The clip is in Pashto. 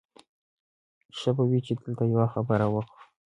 ښه به وي چې دلته یوه خبره وکړو